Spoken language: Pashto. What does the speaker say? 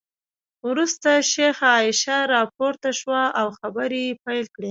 وروسته شیخه عایشه راپورته شوه او خبرې یې پیل کړې.